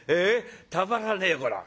たまらねえこらぁ。